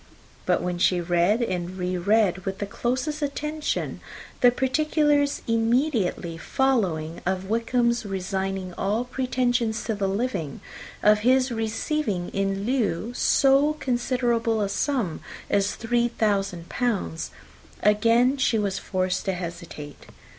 But when she read and re read, with the closest attention, the particulars immediately following of Wickham's resigning all pretensions to the living, of his receiving in lieu so considerable a sum as three thousand pounds, again was she forced to hesitate.